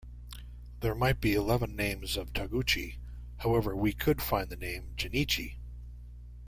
There might be eleven names of Taguchi, however we could find the name Genichi.